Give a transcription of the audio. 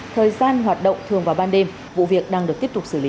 thời gian hoạt động thường vào ban đêm vụ việc đang được tiếp tục xử lý